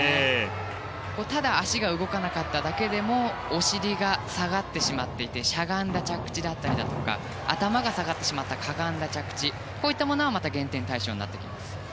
ただ足が動かなかっただけでもお尻が下がってしまっていてしゃがんだ着地だったりだとか頭が下がってしまったかがんだ着地こういったものはまた減点対象となります。